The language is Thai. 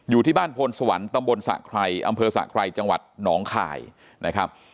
อยู่ที่บ้านพลสวรรค์ตำบลสะไครอำเภอสะไครจังหวัดหนองคายนะครับ